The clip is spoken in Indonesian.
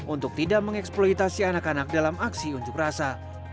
untuk tidak mengeksploitasi anak anak dalam aksi unjuk rasa